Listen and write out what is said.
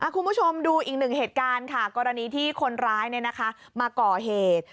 คุณผู้ชมดูอีกหนึ่งเหตุการณ์ค่ะกรณีที่คนร้ายมาก่อเหตุ